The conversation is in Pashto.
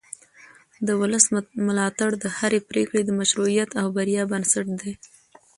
د ولس ملاتړ د هرې پرېکړې د مشروعیت او بریا بنسټ دی